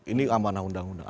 ini amanah undang undang